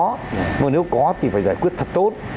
nhưng nếu có thì phải giải quyết thật tốt